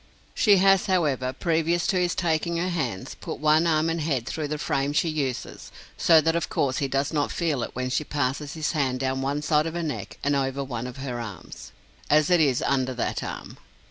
She has, however, previous to his taking her hands, put one arm and head through the frame she uses; so that of course he does not feel it when she passes his hand down one side of her neck and over one of her arms, as it is under that arm.